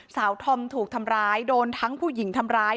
ธอมถูกทำร้ายโดนทั้งผู้หญิงทำร้าย